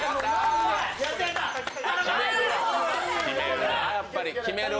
決めるなあ、やっぱり。